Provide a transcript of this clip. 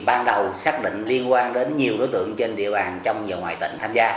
ban đầu xác định liên quan đến nhiều đối tượng trên địa bàn trong và ngoài tỉnh tham gia